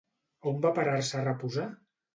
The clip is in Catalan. On va parar-se a reposar?